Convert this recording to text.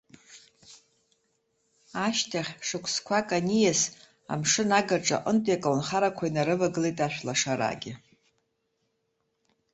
Ашьҭахь, шықәсқәак аниас, амшын агаҿа аҟнытәи аколнхарақәа инарывагылеит ашәлашараагьы.